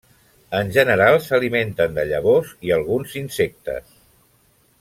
En general s'alimenten de llavors i alguns insectes.